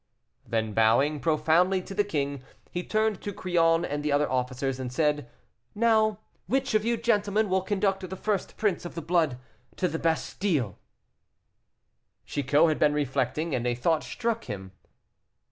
Then, bowing profoundly to the king, he turned to Crillon and the other officers, and said, "Now, which of you gentlemen will conduct the first prince of the blood to the Bastile?" Chicot had been reflecting, and a thought struck him.